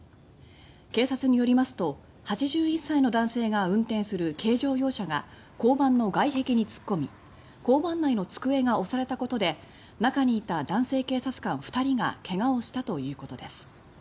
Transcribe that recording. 警察によりますと８１歳の男性が運転する軽乗用車が交番の外壁に突っ込み交番内の机が押されたことで中にいた男性警察官２人が怪我をしたということです。